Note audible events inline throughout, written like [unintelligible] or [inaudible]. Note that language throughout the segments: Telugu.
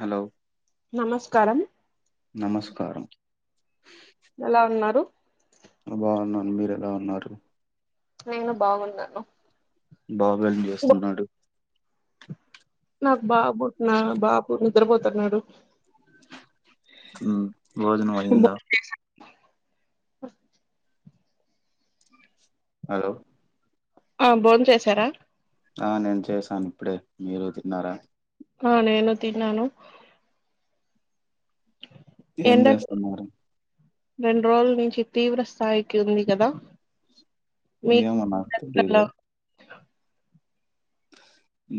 హలో నమస్కారం నమస్కారం ఎలా ఉన్నారు బాగున్నాను మీరు ఎలా ఉన్నారు నేను బాగున్నాను బాబు ఎం చేస్తున్నాడు నాక్ బాబుట్ నా బాపును నిద్ర పోతన్నాడు ఉం భోజనం అయ్యిందా అ హలో ఆ బోన్ చేసారా ఆ నేను చేసాను ఇప్పుడే మీరు తిన్నారా ఆ నేను తిన్నాను ఏం ఎండలు జేస్తున్నారు రెండు రోజుల నుంచి తీవ్ర స్థాయికి ఉంది కదా మీక్ ఏమో నాకు దగ్గర్లో తెలీదు లో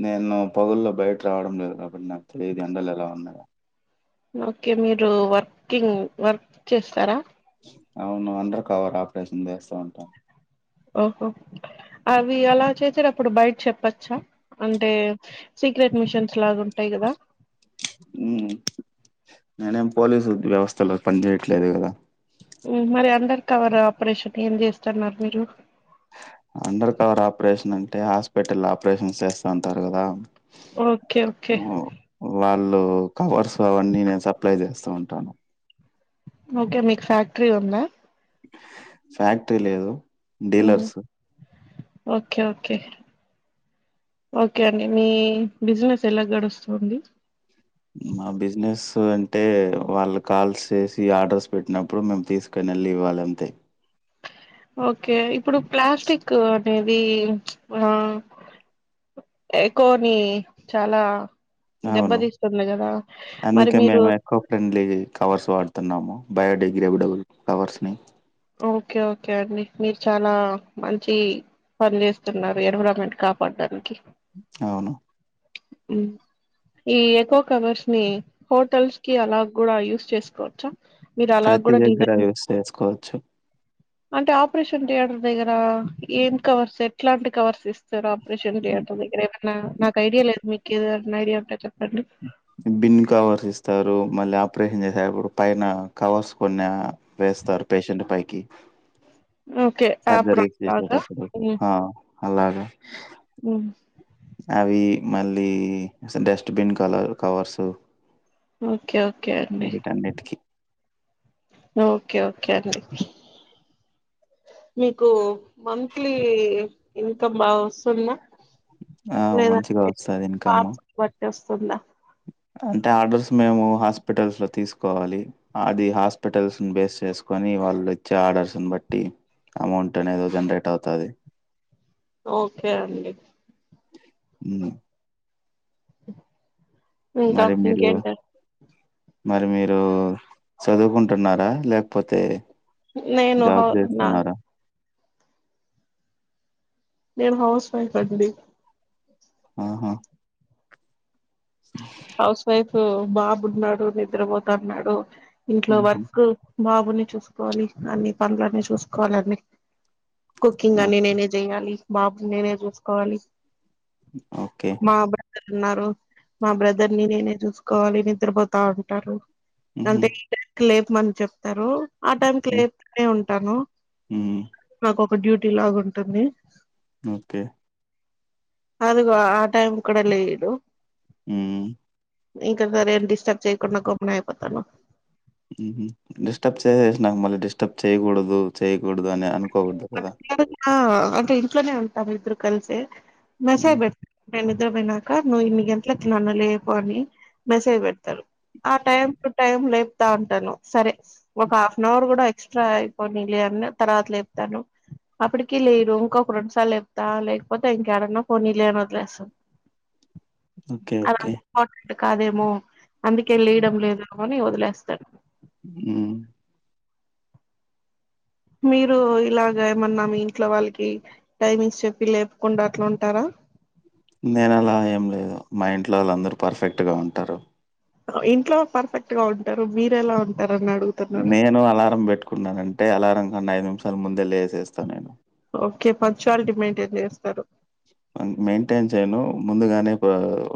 నేను పగుల్లో బయట్రవడం లేదు కాబట్టి నాకు తెలియదు ఎండలు ఎలా ఉన్నాయో ఓకే మీరు వర్కింగ్ వర్క్ చేస్తారా అవును అండర్ కవర్ ఆపరేషన్ చేస్తా ఉంటా ఓహో అవి అలా చేసేటప్పుడు బయట చెప్పచ్చ అంటే సీక్రెట్ మిషన్స్ లాగా ఉంటాయి కదా ఉమ్ నేనేం పోలీసు వ్యవస్థలో పనిచయట్లేదు కదా ఉమ్ మరి అండర్ కవర్ ఆపరేషన్ ఏం చేస్తున్నారు మీరు అండర్ కవర్ ఆపరేషన్ అంటే హాస్పిటల్ ఆపరేషన్ చేస్తా ఉంటారు గదా ఓకే ఓకే లో కవర్స్ అవన్నీ నేను సప్లై చేస్తూ ఉంటాను ఓకే మీకు ఫ్యాక్ట్రీ ఉందా ఫ్యాక్ట్రీ లేదు ఉమ్, డీలర్సు ఓకే ఓకే ఓకే అండి మీ బిజినెస్ ఎలా గడుస్తుంది మా బిజినెస్ అంటే వాళ్ళు కాల్స్ చేసి ఆర్డర్స్ పెట్టినప్పుడు మేము తీసుకొని వెళ్ళి ఇవ్వాలి అంతే ఓకే ఇప్పుడు ప్లాస్టిక్ అనేది ఆ ఎకోని చాలా అవును. దెబ్బతీస్తుంది కదా మరి మీరు లగేజ్ కవర్స్ వాడుతున్నాము బయోడిగ్రేడబుల్ కవర్స్ ని ఓకే ఓకే అండి మీరు చానా మంచి పని చేస్తున్నారు ఎన్విరాన్మెంట్ కాపాడడానికి అవును ఉమ్ ఈ ఎకో కవర్స్ ని హోటల్స్ కి అలా కూడా యూస్ చేసుకోవచ్చా మీరు అలా ప్రతి కూడా దగ్గర డిజైన్ యూస్ చేసుకోవచ్చు అంటే ఆపరేషన్ థియేటర్ దగ్గర ఏం కవర్స్ ఎట్లాంటి కవర్స్ ఇస్తారు ఆపరేషన్ థియేటర్ దగ్గర ఏమన్నా న ఐడియా లేదు మీకు ఏదన్నా ఐడియా ఉంటే చెప్పండి బిన్ కవర్స్ ఇస్తారు మళ్ళీ ఆపరేషన్ చేసేటప్పుడు పైన కవర్స్ కొన్ని వేస్తారు పేషెంట్ పైకి ఓకే అప్ [unintelligible] హు అలాగే ఉ అవి మళ్ళీ dustbin colour covers okay okay అండి వీటన్నిటికి ఓకే ఓకే అండి మీకు మంత్లీ ఇన్కమ్ బాగా వస్తుందా ఆ మంచిగా వస్తాది ఇన్కమ్ కుండా అంటే ఆర్డర్స్ మేము హాస్పిటల్స్ లో తీసుకోవాలి అది హాస్పిటల్స్ బేస్ చేసుకొని వాళ్ళు ఇచ్చే ఆర్డర్స్ని బట్టి అమౌంట్ అనేది జనరేట్ అవుతది ఓకే అండి ఉ ఇంకా మరి మీరు ఇంకేంటారు మరి మీరు చదువుకుంటున్నారా లేకపోతే నేను జాబ్ నా చేస్తున్నారా నేను హౌస్ వైఫ్ అండి ఆహా హౌస్ వైఫ్ బాబున్నాడు నిద్రపోతన్నాడు ఇంట్లో ఉహు వర్క్ బాబుని చూసుకోవాలి అన్ని పనులన్నీ చూసుకోవాలీ అన్నీ కుకింగ్ అన్ని నేనే చేయాలి బాబుని నేనే చూసుకోవాలి ఓకే మా బ్రదర్ ఉన్నారు మా బ్రదర్ ని నేనే చూసుకోవాలి నిద్రపోతా ఉంటారు ఉహు అంటే ఈ టైం కి లేపు మంది చెప్తారు ఆ టైంకి లేస్తూనే ఉంటాను ఉమ్ నాకో డ్యూటీ లాగా ఉంటుంది ఓకే అదిగో ఆ టైం కూడా లేయడు హ్మ్ ఇంకా సరే డిస్టర్బ్ చేయకుండా గమ్మున అయిపోతాను హ్మ్ హు డిస్టర్బ్ చేసేసిన మళ్ళీ డిస్టర్బ్ చేయకూడదు చేయకూడదు అని అనుకోకూడదు కదా అట్ల నా అ ఇంట్లోనే ఉంటాము ఇద్దరు కలిసి మెసేజ్ మ్మ్. పెట్టు నేను నిద్ర పోయినాక నువ్వు ఇన్ని గంటలకి నన్ను లేపు అని మెసేజ్ పెడతారు ఆ టైం టు టైం లేపుతా ఉంటాను సరే ఒక హాఫ్ అన్ అవర్ కూడా ఎక్స్ట్రా అయిపోనీ లేన్న తర్వాత లే చెప్తాను అప్పటికిీ లేరు ఇంకొక రెండుసార్ చెప్తా లేకపోతే ఇంకా ఎడన్నా ఫోనీ లే అని వదిలేస్తాను ఓకే అది ఓకే అంత ఇంపార్టెంట్ కాదేమో అందుకే లేయడం లేదు మని వదిలేస్తారు హ్మ్ మీరు ఇలాగ ఏమన్నా మీ ఇంట్లో వాళ్ళకి టైమింగ్స్ చెప్పి లేపకుండా అట్లా ఉంటారా నేను అలా ఏం లేదు మా ఇంట్లో వాళ్ళందరు పర్ఫెక్ట్ గా ఉంటారు ఇంట్లో పర్ఫెక్ట్ గా ఉంటారు మీరు ఎలా ఉం నేను అలారం పెట్టుకున్నానంటే అలారం [unintelligible] ఐదు నిమిషాల ముందే లేేసేస్తాను నేను ఓకే పంక్చువాలిటీ మెయింటైన్ చేస్తారు మెయింటైన్ చేయను ముందుగానే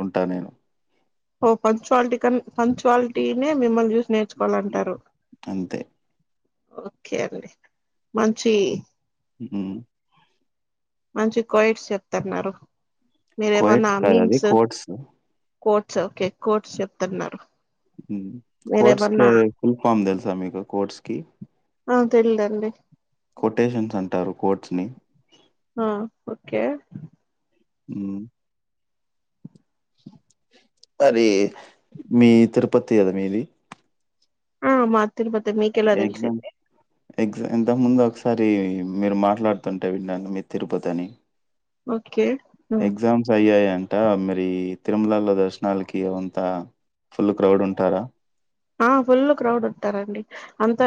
ఉంటా నేను పంక్చువాలిటీ క పంక్చువాలిటీ నే మీ మిమ్మలిని చూస్ నేర్చుకోవాలంటారు అంతే. ఓకే అండి మంచి హ్మ్ మంచి కోయిట్స్ చెప్తున్నారు మీరేమన్నా కోయిట్స్ కాదది memes quotes quotes okay quotes చెప్తున్నారు హ్మ్ కోట్స్ కె మీరేమన్నా ఫుల్ ఫామ్ తెలుసా మీకు కోట్స్ కి తెల్ దండి కొటేషన్స్ అంటారు కోట్స్ ని ఆ ఓకే హ్మ్ అరే మీ తిరుపతి కదా మీది ఆ మ తిన పోతే మీకెలా తెలిసిది ఎగ ఇంతకుముందు ఒకసారి మీరు మాట్లాడుతుంటే విన్నాను మీరు తిరుపతి అని ఓ ఎగ్జామ్స్ అయ్యాయా అట మీరి తిరుమలలో దర్శనాలకి అంత ఫుల్ క్రౌడ్ ఉంటారా ఆ ఫుల్ క్రౌడ్ ఉంటారండి అంత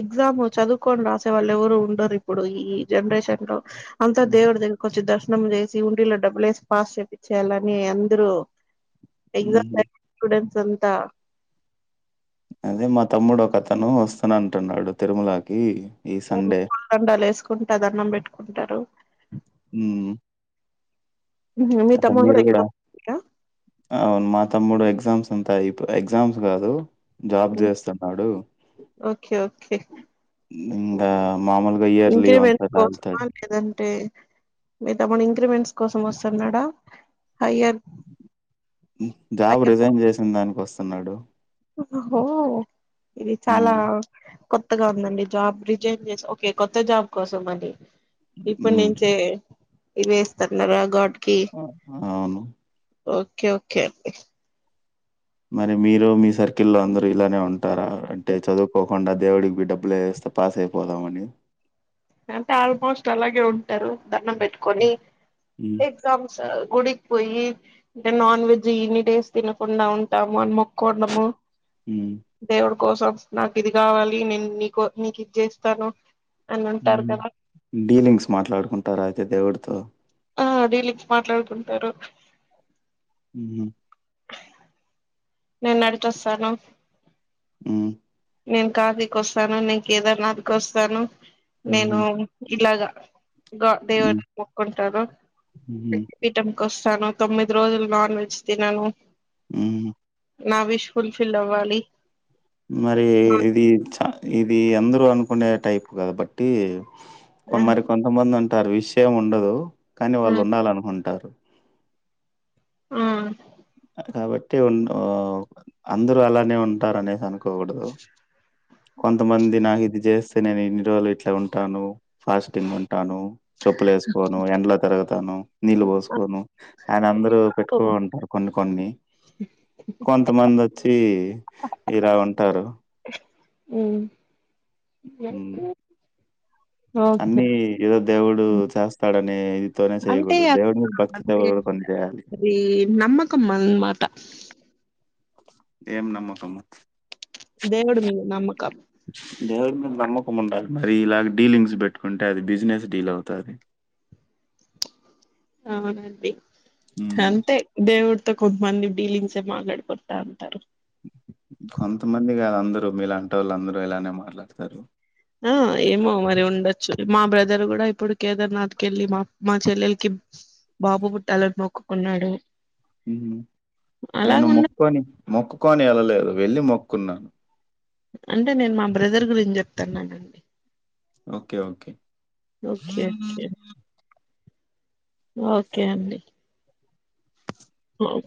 ఎగ్జామ్ చదువుకొని రాసే వాళ్ళు ఎవరు ఉండరు ఇప్పుడు ఈ జనరేషన్ లో అంత దేవడు దగ్గరకి వచ్చి దర్శ స్నానం చేసి ఉండిలో డబ్బులు వేసి పాస్ చేపించాలని అందరూ పిజ్జా హుహు. [unintelligible] ఇదంతా అదే మా తమ్ముడు ఒక అతను వస్తానంటున్నాడు తిరుమలాకి పొర్లు దండాలు ఎసుకుంట దడం పెట్ ఉంటారు హ్మ్ మీ అంటే తమ్ముడు కూడా మీరు గూడా ఎక్కవ తిడ అవును మా తమ్ముడు ఎగ్జామ్స్ అంతా యిప్పుడు ఎగ్జామ్స్ కాదు జాబ్ చేస్తున్నాడు ఓకే ఉమ్ ఇంగా మామూలుగా ఇయర్లీ వన్స్ ఇంక్రిీమెంట్ అలా కోసమా ఎళ్తాడు. లేదంటే మీ తమ్ముడు ఇంక్రిమెంట్స్ కోసం వస్తున్నాడా హయ్యర్ జాబ్ హయ్యర్ రిజైన్ చేసిన దాని కోసం ఉన్నాడు ఉహ ఓ ఇది చాలా హ్మ్. కొత్తగా ఉందండి జాబ్ రి జైన్ చేసాం ఓకే కొత్త జాబ్ కోసం మండి ఇప్పుడు హ్మ్. నుంచే ఇవేస్తన్నారా గాడ్ కి అ అవును ఓకే ఓకే మరి మీరు మీ సర్కిల్లో అందరూ ఇలానే ఉంటారా అంటే చదువుకోకుండా దేవుడికి డబ్బులు వేస్తే పాస్ అయిపోదామని అంతే ఆల్మోస్ట్ అలాగే దరువు దండమ్ హ్మ్. పెట్టుకొని హ్మ్. ఎగ్జామ్స్ గుడికిపోయి ద నాన్ వెజ్ ఇన్ని డేస్ తినకుండా ఉంటాము అని మొ కొండము హ్మ్. దేవుడు కోసం నాకు ఇది కావాలి నేను నీకో నీకు ఇచ్చేస్తాను ఉమ్ డీలింగ్స్ మాట్లాడుకుంటారా అయితే దేవుడితో ఆ డిలీంగ్స్ మాట్లాడుకుంటారు మ్ హుమ్మ్ నేను నడిచొస్తాను మ్ నేను కాశీకి వస్తాను నేను కేదార్నాథ్ కొస్తాను నేను హుహు. ఇలాగ గ దేవుని హ్మ్. కి మొక్కుంటారు హుహు. శక్తిపీఠం వస్తాను తొమ్మిది రోజులు నాన్ వెజ్ తినను మ్ నా విష్ ఫుల్ ఫిల్ అవ్వాలి మరి ఇది చ ఇది అందరూ అనుకునే టైప్ కాబట్టి కొమరి ఆ కొంతమంది ఉంట అంటారు విష్ ఏం ఉండదు కానీ వాళ్ళు ఉండాల అనుకొండి టారు మ్ కాబట్టి అ.... అందరూ అలానే ఉంటారు అనేసి అనుకోకూడదు కొంతమంది నాకు ఇది చేస్తే నేను ఇన్ని రోజులు ఇట్లా ఉంటాను ఫాస్టింగ్ అని ఉంటాను చొప్పులు ఏసుకోను ఎండ్లొ తిరగుతాను నీళ్ళు పోసుకోను అని అందరు ఇపుడు పెట్టుకుంటారు కొన్ని కొన్ని కొంతమంది వచ్చి ఇలా ఉంటారు మ్ ఓకే అన్నీ ఏదో దేవుడు చేస్తాడని అంటే అ అంటే కొన్ని చేయాలి. అది నమ్మకం అన్నమాట ఏం నమ్మకమ దేవుడు మీద నమ్మకం దేవుడి నమ్మకం ఉండాలి మరి ఇలాగ డీలింగ్స్ పెట్టుకుంటే అది బిజినెస్ డీల్ అవుతాది అవునండి హ్మ్. అంతే దేవుడు కొంతమంది డీలింగ్స్ఏ మాట్లాడుకుంటా ఉంటారు కొంతమంది కాదు అందరూ మీలాంటొళ్ళు అందరు ఇలానే మాట్లాడతారు ఆ ఏమో మరి ఉండొచ్చు మా బ్రదర్ కూడా ఇప్పుడు కేదార్నాథ్ కి వెళ్ళి మా మా చెల్లెలికి బాబు పుట్టాలని మొక్కుకున్నాడు అలాగ నేను ఉండ మొక్కుకోని మొక్కుకోని అలాలా లే వెళ్ళి మొక్కుకున్నాను. అంటే నేను మా బ్రదర్ గురించి చెప్తున్నాను అండి. Okay okay okay okay okay అండి.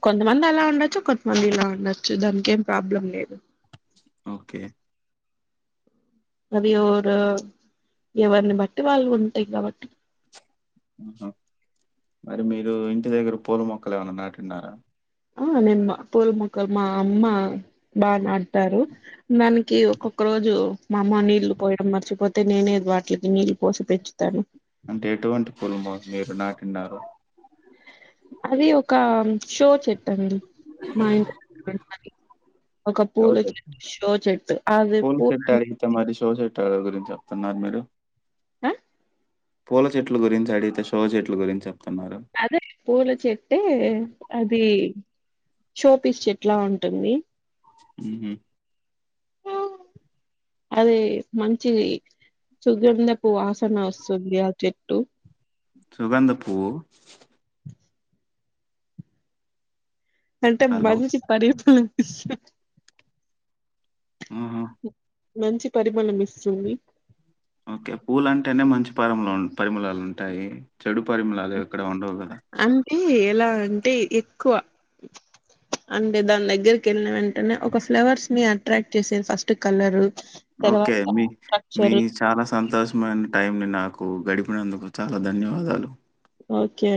కొంతమంది అలా ఉండొచ్చు. కొంతమంది ఇలా ఉండొచ్చు. దానికి ఏం ప్రాబ్లం లేదు. ఓకే అవి ఎవరు ఎవరిని బట్టి వాళ్ళు ఉంటాయి. కాబట్టి ఆహ మరి మీరు ఇంటి దగ్గర పూల మొక్కలు ఏమన్న నాటి ఉన్నారా. ఆ నేను మా పూల మొక్కలు మా అమ్మ బాగా నాటుతారు. దానికి ఒక్కొక్క రోజు మా అమ్మ నీళ్లు పోయడం. మర్చి పోతే నేనే వాటికి నీళ్ళు పోసి పెంచుతాను. ఉంటారు అది ఒక షో చెట్టండి మా ఇంటి దగ్గర ఉంటాది ఒక షో పూల చెట్ చెట్టు షో చెట్టు అది పూలని ఎవరి గురించి చెప్తున్నారు మీరు ఆ పూల చెట్లు గురించి అడిగితే శో చెట్లు గురించి చెప్తున్నారు. అదే పూల చెట్టే అది షోపీస్ చెట్లా ఉంటుంది. ఉహ్ అదే మంచిది సుగంధపు వాసన వస్తుంది. ఆ చెట్టు సుగంధ పూవ్వు అంటే హలో! మంచి పరిపు ఆహా! ఓ మంచి పరిమాళం ఇస్తుంది. ఓకే పూలు అంటేనే మంచి పరిమ పరిమళలు ఉంటాయి. చెడు పరిమళాలు ఎక్కడ ఉండవు గదా! అం తే ఎలా అంటే ఎక్కువ అంటే దాని దగ్గరకి ఏళ్ళిన వెంటనే ఒక ఫ్లవర్స్ ని అట్రాక్ట్ చేసే ఫస్ట్ కలరు. ఓకే తర్వాత మీ మీ స్ట్రక్చర్ చాలా సంతోషమైన టైం ని నాకు గడిపినందుకు చాలా ధన్యవాదాలు. ఓకే అం